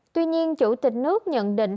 tuy nhiên chủ tịch nước nhận định